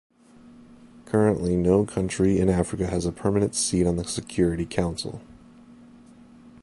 Currently, no country in Africa has a permanent seat on the Security Council.